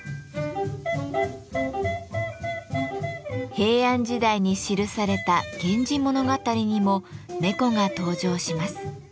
平安時代に記された「源氏物語」にも猫が登場します。